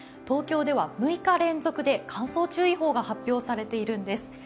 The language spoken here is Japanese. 東京では６日連続で乾燥注意報が発表されているんです。